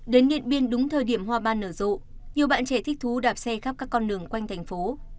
đến điện biên đúng thời điểm hoa ban nở rộ nhiều bạn trẻ thích thú đạp xe khắp các con đường quanh thành phố